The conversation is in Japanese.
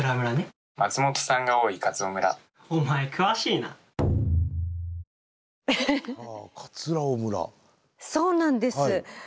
そうなんです。